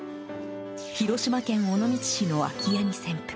広島県尾道市の空き家に潜伏。